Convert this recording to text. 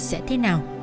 sẽ thế nào